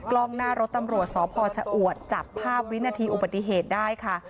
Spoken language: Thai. กล้องหน้ารถตำรวจสพชะอวดจับภาพวินาทีอุบัติเหตุได้ค่ะ